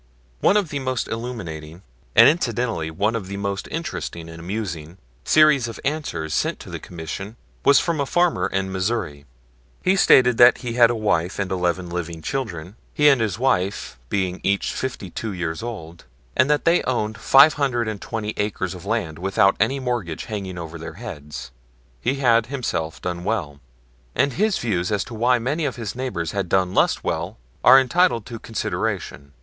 One of the most illuminating and incidentally one of the most interesting and amusing series of answers sent to the Commission was from a farmer in Missouri. He stated that he had a wife and 11 living children, he and his wife being each 52 years old; and that they owned 520 acres of land without any mortgage hanging over their heads. He had himself done well, and his views as to why many of his neighbors had done less well are entitled to consideration.